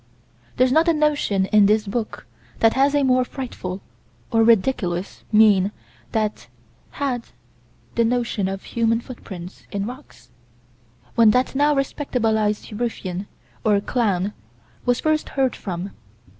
There's not a notion in this book that has a more frightful, or ridiculous, mien than had the notion of human footprints in rocks, when that now respectabilized ruffian, or clown, was first heard from.